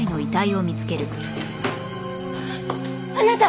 あなた！